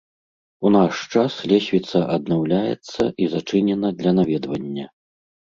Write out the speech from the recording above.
У наш час лесвіца аднаўляецца і зачынена для наведвання.